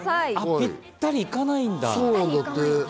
ぴったりいかないんだ。